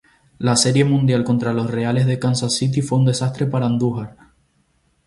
La "Serie Mundial" contra los Reales de Kansas City fue un desastre para "Andújar".